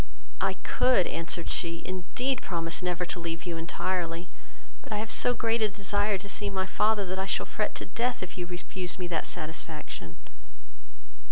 "I could, (answered she), indeed promise never to leave you entirely, but I have so great a desire to see my father, that I shall fret to death, if you refuse me that satisfaction."